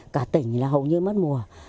cả tỉnh là hầu như mất mùa